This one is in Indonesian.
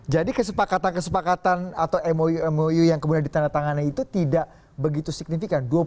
jadi kesepakatan kesepakatan atau mou mou yang kemudian ditandatangani itu tidak begitu signifikan